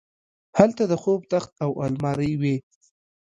هلته د خوب تخت او المارۍ وې